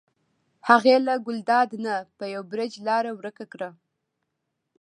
هغې له ګلداد نه په یو بړچ لاره ورکه کړه.